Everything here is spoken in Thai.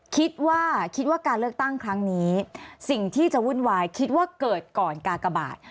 คิดว่าคิดว่าการเลือกตั้งครั้งนี้สิ่งที่จะวุ่นวายคิดว่าเกิดก่อนกากบาท